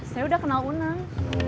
saya udah kenal unang